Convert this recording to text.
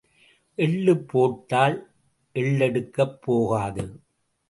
எள்ளுப் போட்டால் எள் எடுக்கப் போகாது.